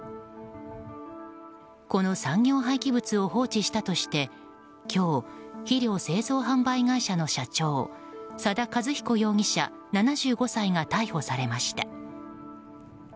この産業廃棄物を放置したとして今日、肥料製造販売会社の社長佐田和彦容疑者、７５歳が逮捕されました。